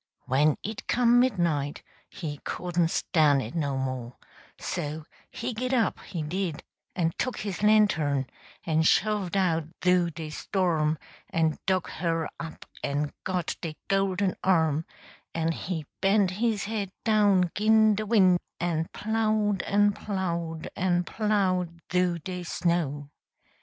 When it come midnight he couldn't stan' it no mo'; so he git up, he did, en tuck his lantern en shoved out thoo de storm en dug her up en got de golden arm; en he bent his head down 'gin de win', en plowed en plowed en plowed thoo de snow.